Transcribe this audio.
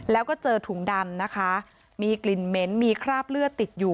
แล้วก็เจอถุงดำนะคะมีกลิ่นเหม็นมีคราบเลือดติดอยู่